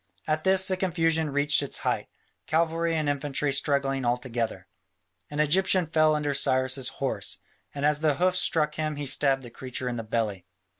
At this the confusion reached its height, cavalry and infantry struggling all together. An Egyptian fell under Cyrus' horse, and as the hoofs struck him he stabbed the creature in the belly.